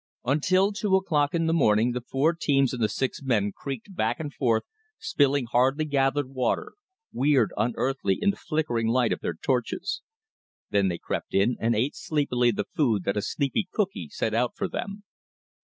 Until two o'clock in the morning the four teams and the six men creaked back and forth spilling hardly gathered water weird, unearthly, in the flickering light of their torches. Then they crept in and ate sleepily the food that a sleepy cookee set out for them.